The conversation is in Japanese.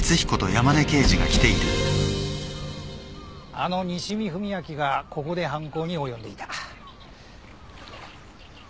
あの西見文明がここで犯行に及んでいた。